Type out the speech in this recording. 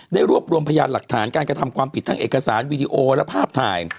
รวบรวมพยานหลักฐานการกระทำความผิดทั้งเอกสารวีดีโอและภาพถ่าย